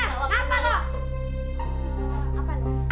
enggak ada apa apa